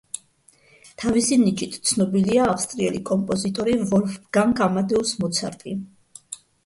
თავისი ნიჭით ცნობილია ავსტრიელი კომპოზიტორი ვოლფგანგ ამადეუს მოცარტი.